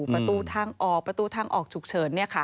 ประตูทางออกประตูทางออกฉุกเฉิน